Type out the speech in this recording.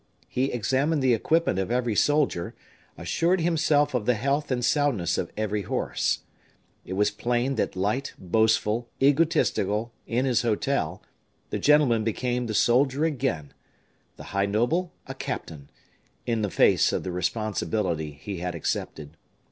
He examined the equipment of every soldier; assured himself of the health and soundness of every horse. It was plain that, light, boastful, egotistical, in his hotel, the gentleman became the soldier again the high noble, a captain in face of the responsibility he had accepted.